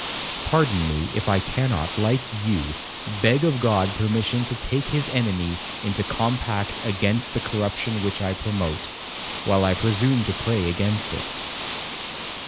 Pardon me, if I cannot, like you, beg of God permission to take his enemy into compact against the corruption which I promote, while I presume to pray against it.'